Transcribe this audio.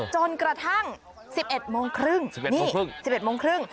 จนกระทั่ง๑๑โมงครึ่ง๑๑โมงครึ่ง